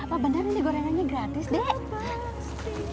apa bener ini gorengannya gratis dek